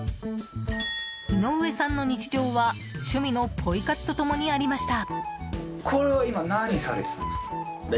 井上さんの日常は趣味のポイ活と共にありました。